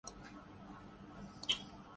میں دوسروں سے محتاط رہتا ہوں